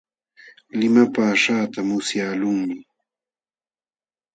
Limapaaśhqaata musyaqlunmi.